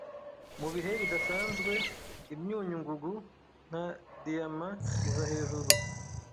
Mubihe bidasanzwe imyunyu ngugu nka diyamaiza hejuru